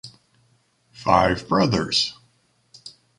Five brothers.